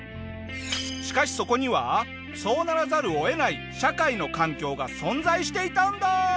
しかしそこにはそうならざるを得ない社会の環境が存在していたんだ！